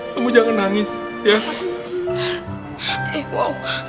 kamu jangan nangis ya